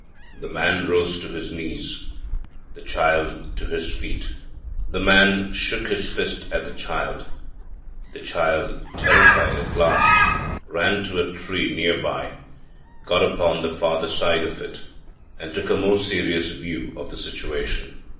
The man rose to his knees, the child to his feet. The man shook his fist at the child; the child, terrified at last, ran to a tree near by, got upon the farther side of it and took a more serious view of the situation.